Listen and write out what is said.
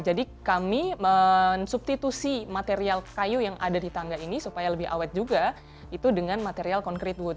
jadi kami men substitusi material kayu yang ada di tangga ini supaya lebih awet juga itu dengan material concrete wood